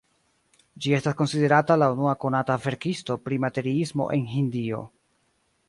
Ĝi estas konsiderata la unua konata verkisto pri materiismo en Hindio.